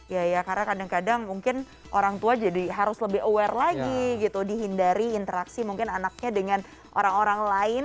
ya ya karena kadang kadang mungkin orang tua jadi harus lebih aware lagi gitu dihindari interaksi mungkin anaknya dengan orang orang lain